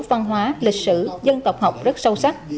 văn hóa lịch sử dân tộc học rất sâu sắc